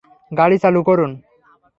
গাড়ি চালু করুন।